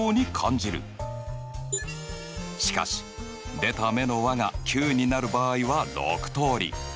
しかし出た目の和が９になる場合は６通り。